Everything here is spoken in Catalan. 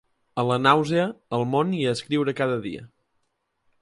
A la nàusea, al món i a escriure cada dia.